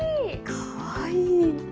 かわいい。